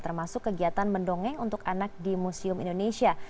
termasuk kegiatan mendongeng untuk anak di museum indonesia